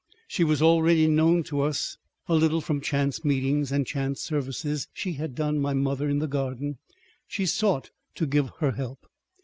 She was already known to us a little from chance meetings and chance services she had done my mother in the garden; she sought to give her help.